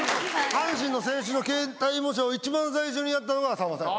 阪神の選手の形態模写を一番最初にやったのがさんまさん。